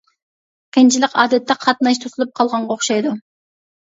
قىيىنچىلىق ئادەتتە قاتناش توسۇلۇپ قالغانغا ئوخشايدۇ.